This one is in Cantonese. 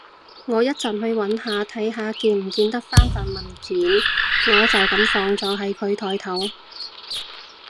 我一陣去搵下，睇下見唔見得返份文件，我就噉放咗喺佢枱頭